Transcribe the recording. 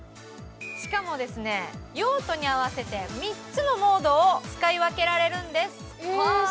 しかも用途に合わせて３つのモードを使い分けられるんです。